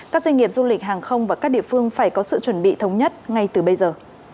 các doanh nghiệp du lịch hàng không và các địa phương phải có sự chuẩn bị thống nhất ngay từ bây giờ